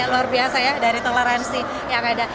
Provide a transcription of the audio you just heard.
luar biasa ya dari toleransi yang ada